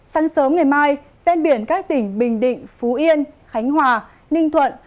sáng sớm ngày mai ven biển các tỉnh bình định phú yên khánh hòa ninh thuận